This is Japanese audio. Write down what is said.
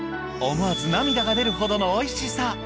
思わず涙が出るほどのおいしさ。